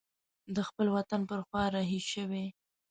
د خپل وطن پر خوا رهي شوی.